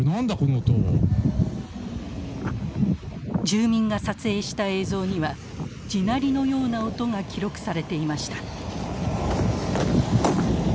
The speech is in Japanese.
住民が撮影した映像には地鳴りのような音が記録されていました。